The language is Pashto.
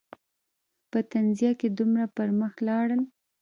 په تنزیه کې دومره پر مخ لاړل.